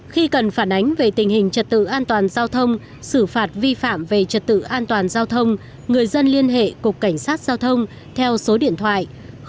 khi cần phản ánh về tình hình trật tự an toàn giao thông xử phạt vi phạm về trật tự an toàn giao thông người dân liên hệ cục cảnh sát giao thông theo số điện thoại sáu trăm chín mươi hai ba trăm bốn mươi hai sáu trăm linh tám